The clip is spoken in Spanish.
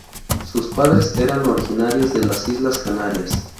Sus padres eran originarios de las Islas Canarias.